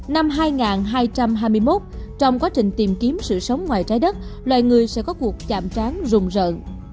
năm hai trăm hai mươi một trong quá trình tìm kiếm sự sống ngoài trái đất loài người sẽ có cuộc chạm trán rùng rợn